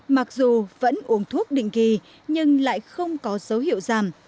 mặc dù vẫn uống thuốc định kỳ nhưng lại không có dấu hiệu giảm